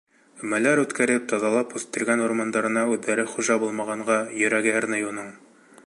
Өмәләр үткәреп, таҙалап үҫтергән урмандарына үҙҙәре хужа булмағанға йөрәге әрней уның.